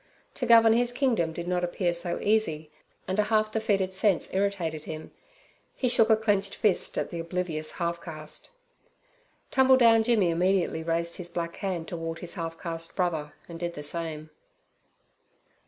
To govern his kingdom did not appear so easy, and a half defeated sense irritated him. He shook a clenched fist at the oblivious half caste. Tumbledown Jimmy immediately raised his black hand towards his half caste brother and did the same.